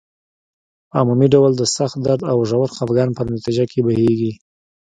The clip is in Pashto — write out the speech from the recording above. په عمومي ډول د سخت درد او ژور خپګان په نتیجه کې بهیږي.